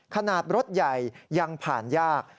ขนาดรถใหญ่ยังผ่านยาก